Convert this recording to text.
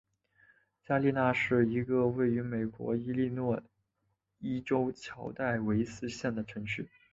加利纳是一个位于美国伊利诺伊州乔戴维斯县的城市。